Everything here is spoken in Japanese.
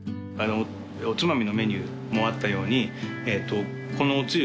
おつまみのメニューもあったように。